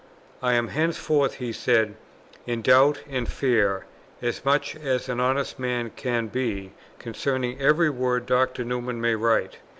"I am henceforth," he said, "in doubt and fear, as much as an honest man can be, concerning every word Dr. Newman may write.